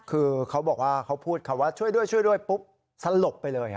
คือเขาบอกว่าเขาพูดคำว่าช่วยด้วยช่วยด้วยปุ๊บสลบไปเลย